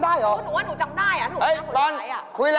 กะแกไปไหนมา